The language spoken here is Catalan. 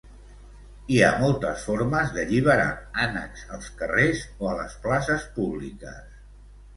Hi ha moltes formes d'alliberar ànecs als carrers o a les places públiques.